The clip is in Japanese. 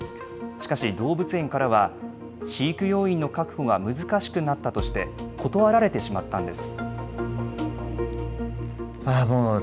しかし動物園からは、飼育要員の確保が難しくなったとして、断られてしまったんです。